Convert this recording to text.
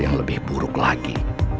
yang lebih buruk lagi